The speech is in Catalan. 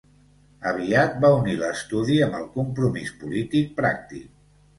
Aviat va unir l'estudi amb el compromís polític pràctic.